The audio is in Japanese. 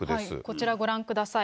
こちらご覧ください。